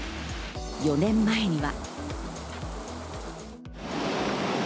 ４年前には。